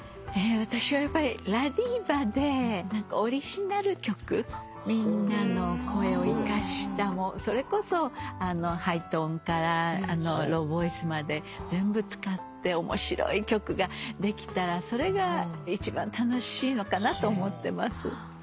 私はやっぱりＬＡＤＩＶＡでオリジナル曲みんなの声を生かしたそれこそハイトーンからローボイスまで全部使って面白い曲ができたらそれが一番楽しいのかなと思ってます。